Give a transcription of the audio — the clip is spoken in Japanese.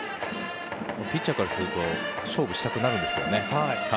ピッチャーからすると勝負したくなるんですよね。